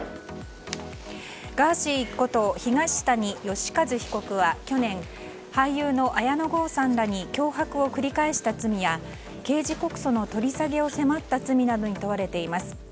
ガーシーこと東谷義和被告は去年俳優の綾野剛さんらに脅迫を繰り返した罪や刑事告訴の取り下げを迫った罪などに問われています。